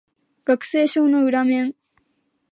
学生証の裏面